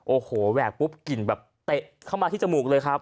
โอ้โหแหวกปุ๊บกลิ่นแบบเตะเข้ามาที่จมูกเลยครับ